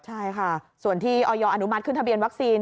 ใช่ค่ะส่วนที่ออยอนุมัติขึ้นทะเบียนวัคซีน